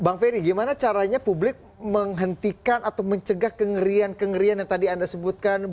bang ferry gimana caranya publik menghentikan atau mencegah kengerian kengerian yang tadi anda sebutkan